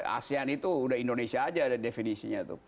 asean itu udah indonesia aja ada definisinya tuh